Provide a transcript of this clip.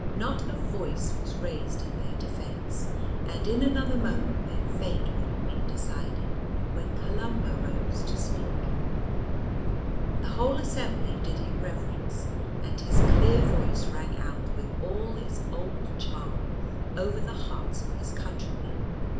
Not a voice was raised in their defence, and in another moment their fate would have been decided, when Columba rose to speak. The whole assembly did him reverence, and his clear voice rang out with all its old charm over the hearts of his countrymen.